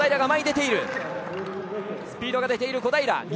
スピードが出ている小平。